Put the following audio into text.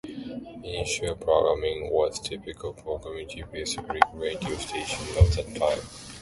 Initial programming was typical for a community-based public radio station of that time.